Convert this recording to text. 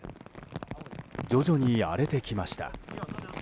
徐々に荒れてきました。